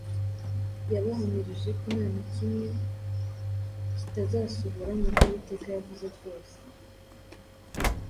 Yabahamirije ko nta na kimwe kitazasohora mu byo Uwiteka yavuze byose